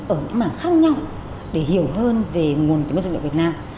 ở những mảng khác nhau để hiểu hơn về nguồn tài nguyên dược liệu việt nam